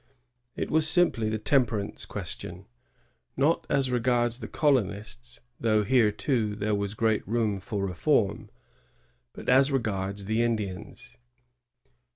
It was simply the temperance question, — not as regards the colonists, though here, too, there was great room for reform, but as regards the Indians.